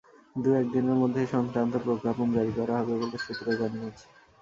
দু-এক দিনের মধ্যে এ-সংক্রান্ত প্রজ্ঞাপন জারি করা হবে বলে সূত্র জানিয়েছে।